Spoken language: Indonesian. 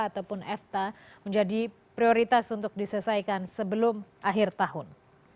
ataupun fta menjadi prioritas untuk diselesaikan sebelum akhir tahun